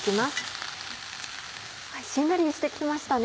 しんなりしてきましたね。